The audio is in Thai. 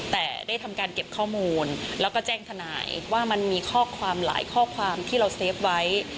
แต่ได้ทำการเก็บข้อมูลแล้วก็แจ้งทนายว่ามันมีข้อความหลายข้อความที่เราเฟฟไว้